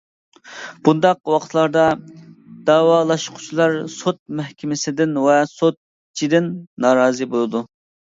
بۇنداق ۋاقىتلاردا دەۋالاشقۇچىلار سوت مەھكىمىسىدىن ۋە سوتچىدىن نارازى بولىدۇ.